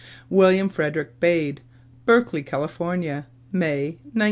WILLIAM FREDERIC BADÈ. Berkeley, California, May, 1915.